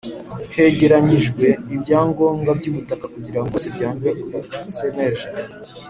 Hegeranyijwe ibyangombwa by ubutaka kugira ngo byose byandikwe kuri cnlg